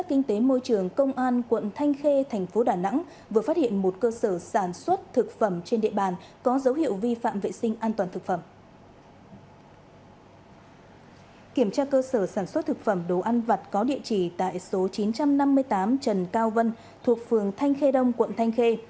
kiểm tra cơ sở sản xuất thực phẩm đồ ăn vặt có địa chỉ tại số chín trăm năm mươi tám trần cao vân thuộc phường thanh khê đông quận thanh khê